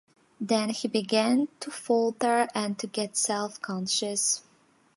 Then he began to falter and to get self-conscious.